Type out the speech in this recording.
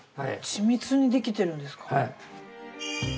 緻密にできてるんですか。